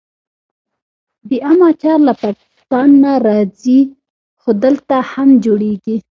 د ام اچار له پاکستان راځي خو دلته هم جوړیږي.